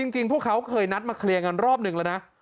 จริงพวกเขาเคยนัดมาเคลียร์กันรอบหนึ่งแล้วนะ